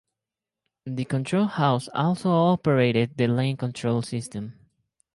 The control house also operated the lane control system.